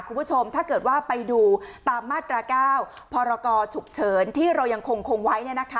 คุณผู้ชมถ้าเกิดว่าไปดูตามมาตรา๙พรกชุกเฉินที่เรายังคงไว้